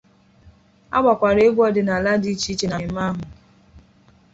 A gbakwara egwu ọdịnala dị iche iche na mmemme ahụ